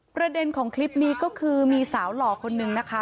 ประเด็นของคลิปนี้ก็คือมีสาวหล่อคนนึงนะคะ